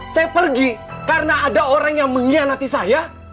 saya pergi karena ada orang yang mengkhianati saya